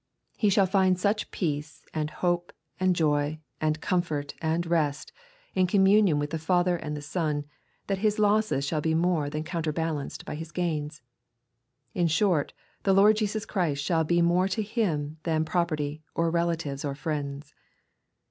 He shaL find such peace, and hope, and joy, and comfort, and rest, in communion with the Father and the Son, that his losses shall be more than counterbalanced by his gains. In short, the Lord Jesus Christ shall be more to him than property, or relatives, or friends.